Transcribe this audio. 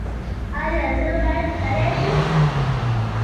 ایا زه باید سړی شم؟